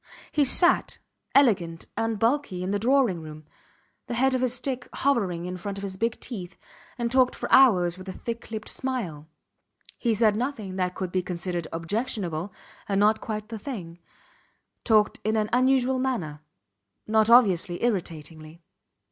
He sat, elegant and bulky, in the drawing room, the head of his stick hovering in front of his big teeth, and talked for hours with a thick lipped smile (he said nothing that could be considered objectionable and not quite the thing) talked in an unusual manner not obviously irritatingly.